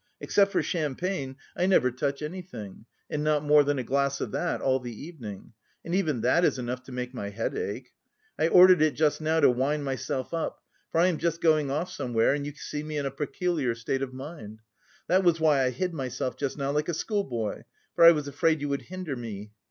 Except for champagne I never touch anything, and not more than a glass of that all the evening, and even that is enough to make my head ache. I ordered it just now to wind myself up, for I am just going off somewhere and you see me in a peculiar state of mind. That was why I hid myself just now like a schoolboy, for I was afraid you would hinder me.